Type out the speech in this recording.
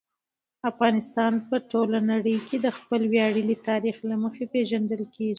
افغانستان په ټوله نړۍ کې د خپل ویاړلي تاریخ له مخې پېژندل کېږي.